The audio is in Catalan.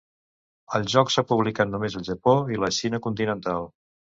El joc s'ha publicat només al Japó i la Xina continental.